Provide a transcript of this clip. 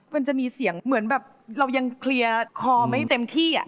มันจะมีเสียงเหมือนแบบเรายังเคลียร์คอไม่เต็มที่